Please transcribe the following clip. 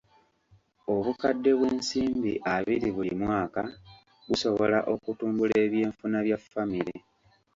Obukadde bw'ensimbi abiri buli mwaka busobola okutumbula ebyenfuna bya famire.